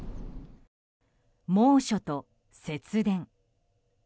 猛暑と節電。